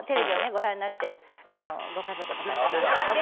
ご覧になってるご家族の方奥様にね。